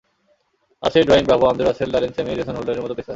আছে Dwayne Bravo, Andre Russell, Darren Sammy, Jason হোল্ডারের মতো পেসার।